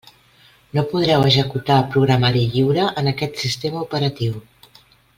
No podreu executar programari lliure en aquest sistema operatiu.